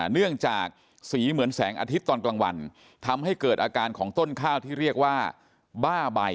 เนื่องจากสีเหมือนแสงอาทิตย์ตอนกลางวันทำให้เกิดอาการของต้นข้าวที่เรียกว่าบ้าใบ